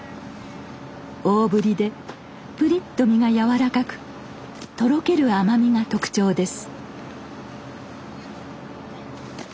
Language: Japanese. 大ぶりでぷりっと身が柔らかくとろける甘みが特徴です。